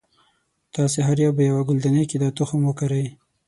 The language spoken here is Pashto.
تاسې هر یو به یوه ګلدانۍ کې دا تخم وکری.